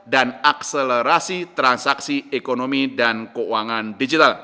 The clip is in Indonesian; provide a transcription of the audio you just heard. dan akselerasi transaksi ekonomi dan keuangan digital